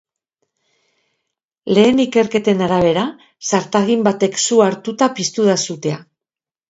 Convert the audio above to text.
Lehen ikerketen arabera, zartagin batek su hartuta piztu da sutea.